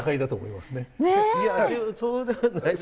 いやそうではない。